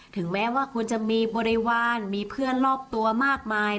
ถึงแม้ว่าคุณจะมีบริวารมีเพื่อนรอบตัวมากมาย